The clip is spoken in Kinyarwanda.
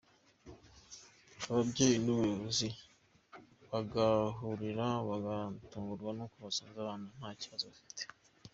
Ababyeyi n’ubuyobozi bagahurura bagatungurwa n’uko basanze abana nta Kibazo bafite.